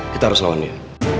kita harus lawan dia